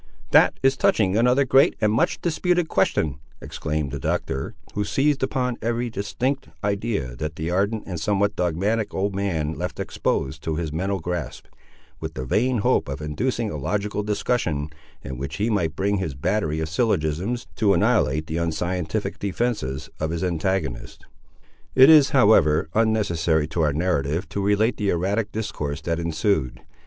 "That is touching another great and much disputed question," exclaimed the Doctor, who seized upon every distinct idea that the ardent and somewhat dogmatic old man left exposed to his mental grasp, with the vain hope of inducing a logical discussion, in which he might bring his battery of syllogisms to annihilate the unscientific defences of his antagonist. It is, however, unnecessary to our narrative to relate the erratic discourse that ensued.